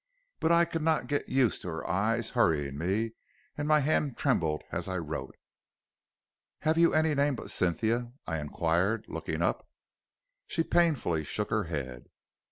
But I could not get used to her eyes hurrying me, and my hand trembled as I wrote. "'Have you any name but Cynthia?' I inquired, looking up. "She painfully shook her head.